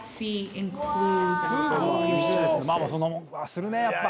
するねやっぱ。